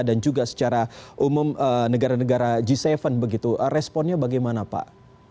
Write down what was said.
dan juga secara umum negara negara g tujuh begitu responnya bagaimana pak